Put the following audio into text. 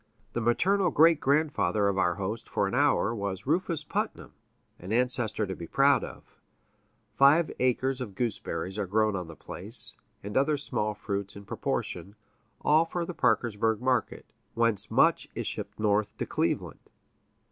The maternal great grandfather of our host for an hour was Rufus Putnam, an ancestor to be proud of. Five acres of gooseberries are grown on the place, and other small fruits in proportion all for the Parkersburg market, whence much is shipped north to Cleveland.